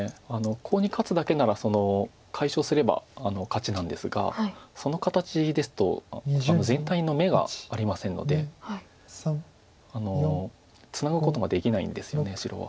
コウに勝つだけなら解消すれば勝ちなんですがその形ですと全体の眼がありませんのでツナぐこともできないんですよね白は。